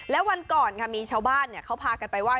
แล้ววันก่อนมีชาวบ้านเขาพากันไปว่า